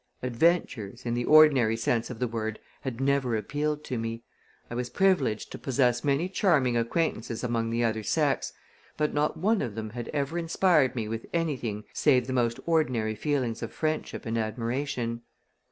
Adventures, in the ordinary sense of the word, had never appealed to me. I was privileged to possess many charming acquaintances among the other sex, but not one of them had ever inspired me with anything save the most ordinary feelings of friendship and admiration.